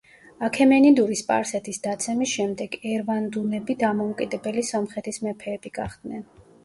აქემენიდური სპარსეთის დაცემის შემდეგ, ერვანდუნები დამოუკიდებელი სომხეთის მეფეები გახდნენ.